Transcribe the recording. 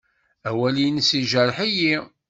Awal-nnes yejreḥ-iyi.